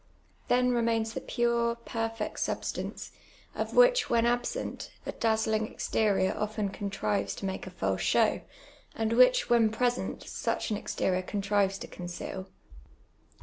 Then remains the pure, perfect sub stance, of which, when absent, a dazzling exterior often con trives to make a false show, and which, when present, such an exterior contrives to conceal.